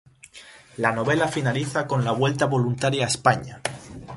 La novela finaliza con la vuelta voluntaria a España.